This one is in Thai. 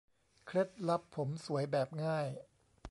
เคล็ดลับผมสวยแบบง่าย